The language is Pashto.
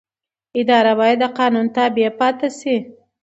اداره باید د قانون تابع پاتې شي.